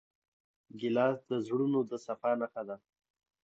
ګیلاس د زړونو د صفا نښه ده.